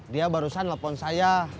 dia barusan nelfon saya